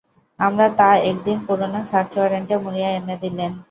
আর তা এক দিন পুরানো সার্চ ওয়ারেন্টে মুড়িয়ে এনে দিলেন।